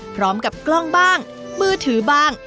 พร้อมกับกล้องบ้างมือถือบ้าง